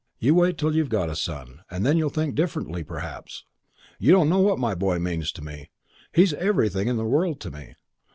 You wait till you've got a son, then you'll think differently, perhaps. You don't know what my boy means to me. He's everything in the world to me.